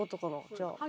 じゃあ。